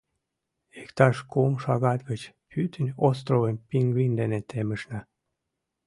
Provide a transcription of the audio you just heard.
Иктаж кум шагат гыч пӱтынь островым пингвин дене темышна.